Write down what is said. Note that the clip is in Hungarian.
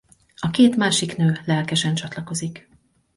A két másik nő lelkesen csatlakozik.